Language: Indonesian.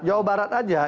jawa barat aja